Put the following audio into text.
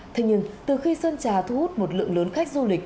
thế nhưng từ khi sơn trà thu hút một lượng lớn khách du lịch